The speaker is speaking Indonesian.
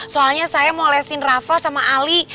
soalnya saya mau lesin rafa sama ali